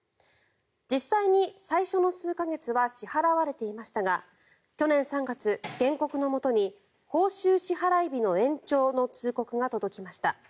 実際に最初の数か月は支払われていましたが去年３月、原告のもとに報酬支払日の延長の通告が届きました。